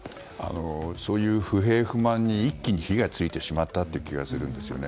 そういう不平不満に一気に火が付いてしまったという気がするんですよね。